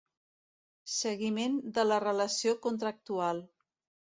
Seguiment de la relació contractual.